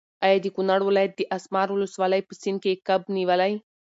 ایا د کونړ ولایت د اسمار ولسوالۍ په سیند کې کب نیولی؟